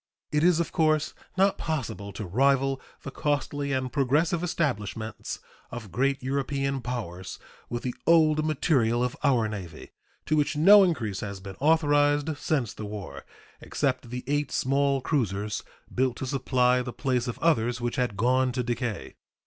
It is, of course, not possible to rival the costly and progressive establishments of great European powers with the old material of our Navy, to which no increase has been authorized since the war, except the eight small cruisers built to supply the place of others which had gone to decay.